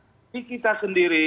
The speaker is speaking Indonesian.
tapi kita sendiri